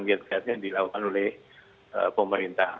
lihat lihatnya dilakukan oleh pemerintah